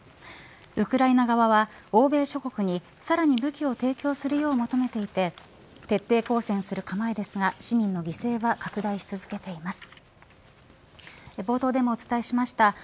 ウクライナ側は欧米諸国にさらに武器を提供するよう求めていて徹底抗戦する構えですが市民の犠牲は拡大し続けています。